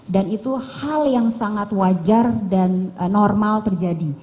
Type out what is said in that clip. dan itu hal yang sangat wajar dan normal terjadi